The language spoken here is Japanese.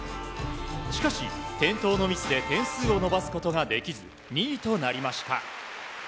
しかし、転倒のミスで点数を伸ばすことができず２位となりました。